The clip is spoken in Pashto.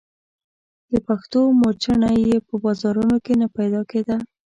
د پښو موچڼه يې په بازارونو کې نه پيدا کېده.